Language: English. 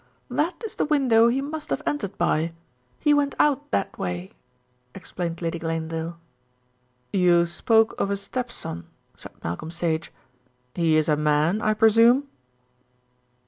"That is the window he must have entered by; he went out that way," explained Lady Glanedale. "You spoke of a stepson," said Malcolm Sage. "He is a man, I presume?"